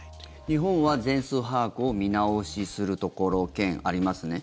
日本は全数把握を見直しするところ、県ありますね。